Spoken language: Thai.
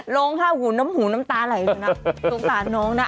ลง๕หูน้ำหูน้ำตาไหลดูนะลูกตาน้องนะ